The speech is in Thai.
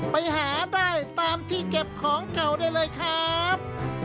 ไปหาได้ตามที่เก็บของเก่าได้เลยครับ